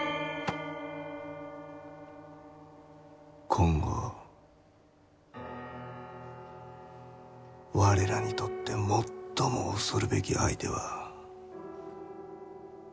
今後我らにとって最も恐るべき相手は。